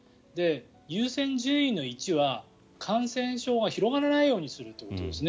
優先順位の１は感染症が広がらないようにするということですね。